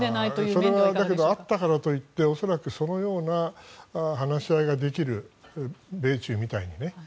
それはあったからといって恐らくそのような話し合いができる米中みたいにね